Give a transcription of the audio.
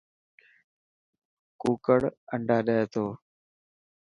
ڪوڪڙ انڊا ڏي تو.